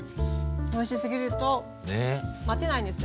おいしすぎると待てないんですよ。